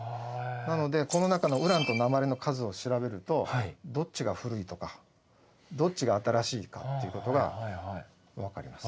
なのでこの中のウランと鉛の数を調べるとどっちが古いとかどっちが新しいかっていうことが分かります。